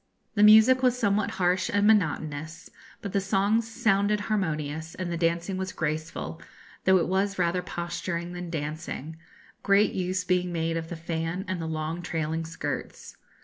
The music was somewhat harsh and monotonous; but the songs sounded harmonious, and the dancing was graceful, though it was rather posturing than dancing, great use being made of the fan and the long trailing skirts.